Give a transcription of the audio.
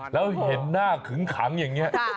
แล้วเห็นหน้าขึงขังอย่างนี้